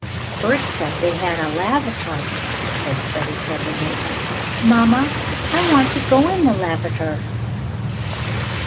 "Bert said they had a lavater," said Freddie presently. "Mamma, I want to go in the lavater."